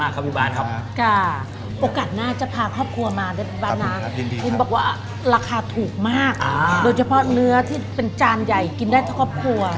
ครับคุณแม่ครับพร้อมไหม